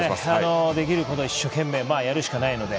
できることを一生懸命やるしかないので。